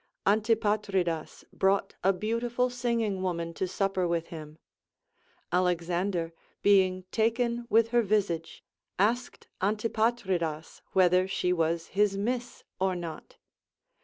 Antipatridas brought a beautiful singing Avoman to supper with him ; Alexander, being taken with her visage, asked Antipatridas Avhether she was his miss or not.